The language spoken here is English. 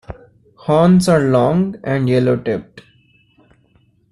Horns are long and yellow-tipped.